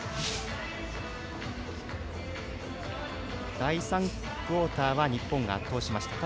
第３クオーターは日本が圧倒しました。